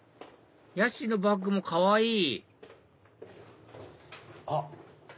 ヤッシーのバッグもかわいいあっ！